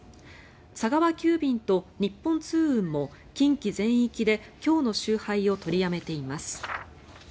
佐川急便と日本通運も近畿全域で今日の集配を取りやめています。